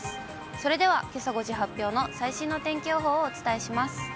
それではけさ５時発表の最新の天気予報をお伝えします。